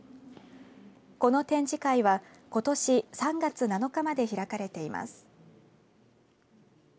この展示会はことし３月７日まで開かれています。